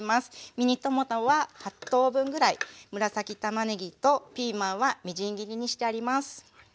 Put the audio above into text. ミニトマトは８等分ぐらい紫たまねぎとピーマンはみじん切りにしてあります。